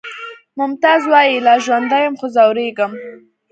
ممتاز وایی لا ژوندی یم خو ځورېږم